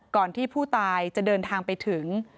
ก่อนที่ผู้ตายจะเดินทางไปถึง